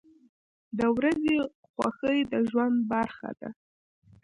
• د ورځې خوښي د ژوند برخه ده.